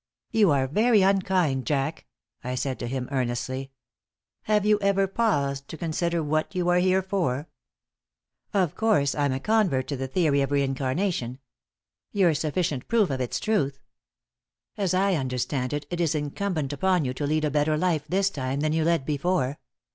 "You are very unkind, Jack," I said to him, earnestly. "Have you ever paused to consider what are you here for? Of course, I'm a convert to the theory of reincarnation. You're sufficient proof of its truth. As I understand it, it is incumbent upon you to lead a better life this time than you led before.